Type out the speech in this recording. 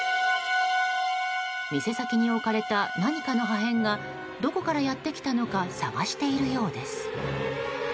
店先に置かれた何かの破片がどこからやってきたのか探しているようです。